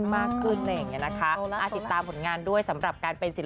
ทั้งเพลงเร็วสะบัดขุยอย่างนี้